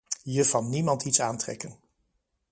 Je van niemand iets aantrekken.